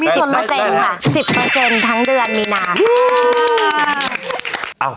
มี๑๐ค่ะ๑๐ทั้งเดือนมีนาน